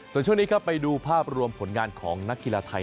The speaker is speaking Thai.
ส่วนช่วงนี้ครับไปดูภาพรวมผลงานของนักกีฬาไทย